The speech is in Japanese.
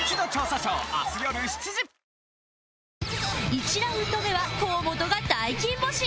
１ラウンド目は河本が大金星